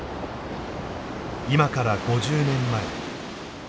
今から５０年前。